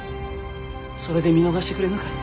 それで見逃してくれぬか？